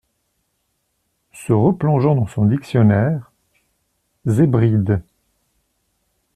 Se replongeant dans son dictionnaire. « Z’Hébrides…